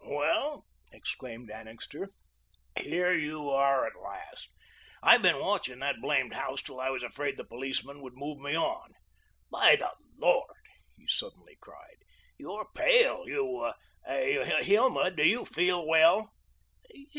"Well," exclaimed Annixter, "here you are at last. I've been watching that blamed house till I was afraid the policeman would move me on. By the Lord," he suddenly cried, "you're pale. You you, Hilma, do you feel well?"